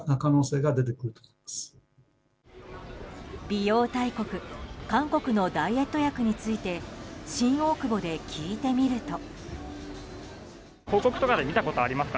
美容大国・韓国のダイエット薬について新大久保で聞いてみると。